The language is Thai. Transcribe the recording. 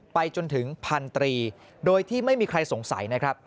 ไปจนถึงพันตรีโดยที่ไม่มีใครสงสัยนะครับ